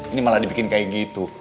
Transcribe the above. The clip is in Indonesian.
ini malah dibikin kayak gitu